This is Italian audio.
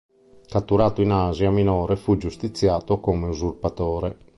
Catturato in Asia Minore fu giustiziato come usurpatore.